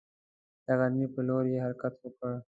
د غزني پر لور یې حرکت وکړ.